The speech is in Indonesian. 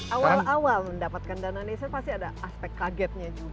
awal awal mendapatkan dana desa pasti ada aspek kagetnya juga